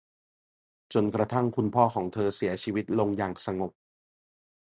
จนกระทั่งคุณพ่อของเธอเสียชีวิตลงอย่างสงบ